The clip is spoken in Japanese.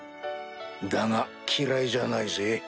だが嫌いじゃないぜ。